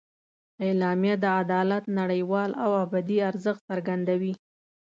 اعلامیه د عدالت نړیوال او ابدي ارزښت څرګندوي.